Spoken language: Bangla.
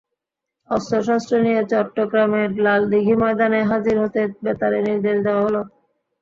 অস্ত্রশস্ত্র নিয়ে চট্টগ্রামের লালদীঘি ময়দানে হাজির হতে বেতারে নির্দেশ দেওয়া হলো।